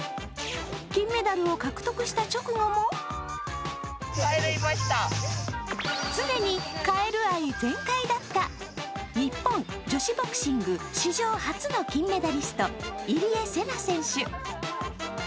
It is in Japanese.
金メダルを獲得した直後も常にカエル愛全開だった日本女子ボクシング史上初の金メダリスト、入江聖奈選手。